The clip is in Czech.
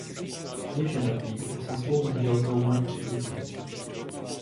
Je ženatý a se svou manželkou má tři děti.